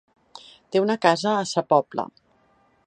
Té una casa a Sa Pobla.